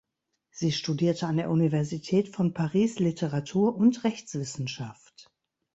Sie studierte an der Universität von Paris Literatur- und Rechtswissenschaft.